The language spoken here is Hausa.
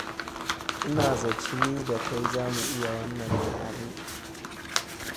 Ina zaci ni da kai za mu iya wannan tare.